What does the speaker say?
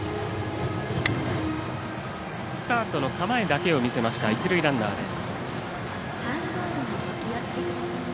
スタートの構えだけを見せました、一塁ランナーです。